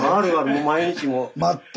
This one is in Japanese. もう毎日もう。